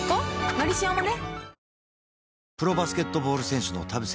「のりしお」もね